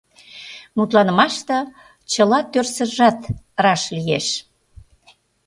— Мутланымаште чыла тӧрсыржат раш лиеш.